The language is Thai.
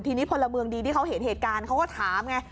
ทีนี้พลเมืองดีที่เขาเห็นเหตุการณ์เขาก็ถามไง